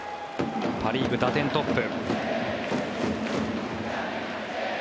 パ・リーグ打点トップ。